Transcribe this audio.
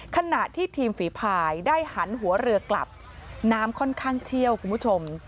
ขณะที่ทีมฝีภายได้หันหัวเรือกลับน้ำค่อนข้างเชี่ยวคุณผู้ชม